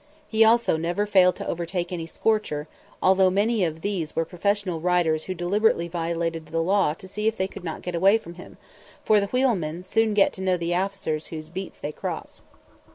He also never failed to overtake any "scorcher," although many of these were professional riders who deliberately violated the law to see if they could not get away from him; for the wheelmen soon get to know the officers whose beats they cross.